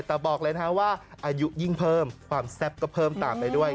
แต่บอกเลยนะว่าอายุยิ่งเพิ่มความแซ่บก็เพิ่มตามไปด้วย